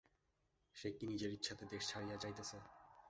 সে কি নিজের ইচ্ছাতে দেশ ছাড়িয়া যাইতেছে?